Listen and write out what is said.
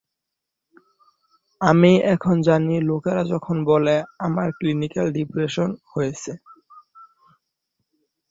আমি এখন জানি লোকেরা যখন বলে, 'আমার ক্লিনিকাল ডিপ্রেশন হয়েছে।